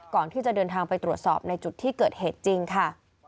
ก่อนที่จะเดินทางไปตรวจสอบในจุดที่เกิดเหตุจริงค่ะ